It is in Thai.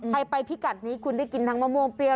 ไปพิกัดนี้คุณได้กินทั้งมะม่วงเปรี้ย